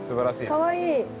かわいい。